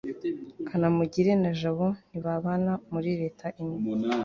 kanamugire na jabo ntibabana muri leta imwe